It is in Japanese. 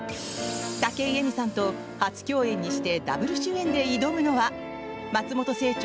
武井咲さんと初共演にしてダブル主演で挑むのは松本清張